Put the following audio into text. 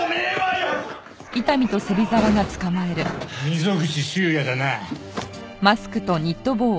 溝口修也だな？